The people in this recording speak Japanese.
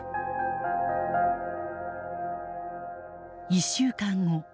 １週間後。